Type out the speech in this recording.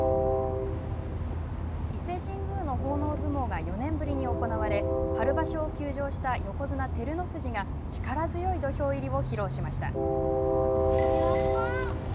伊勢神宮の奉納相撲が４年ぶりに行われ春場所を休場した横綱・照ノ富士が力強い土俵入りを披露しました。